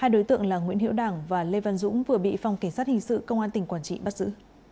hai đối tượng là nguyễn hiễu đảng và lê văn dũng vừa bị phòng cảnh sát hình sự công an tp bắt giữ